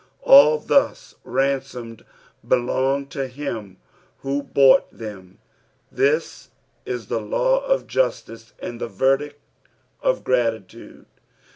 All thus ransomed belong to hum who bought them — this is the law of justice and the verdict of gratitude.